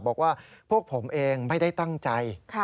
บอกว่าพวกผมเองไม่ได้ตั้งใจ